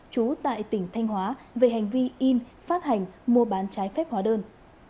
trú tại tỉnh thanh hóa về hành vi in phát hành mua bán trái phép hóa đơn